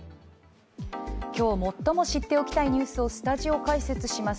今日最も知っておきたいニュースをスタジオ解説します